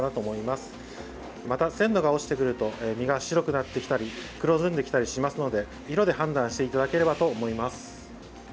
また、鮮度が落ちてくると身が白くなってきたり黒ずんできたりしますので色で判断していただければと思います。